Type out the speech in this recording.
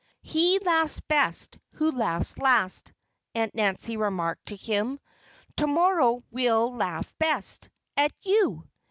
_" "He laughs best who laughs last," Aunt Nancy remarked to him. "To morrow we'll laugh best at you!"